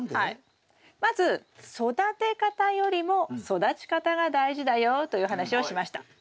まず育て方よりも育ち方が大事だよという話をしました。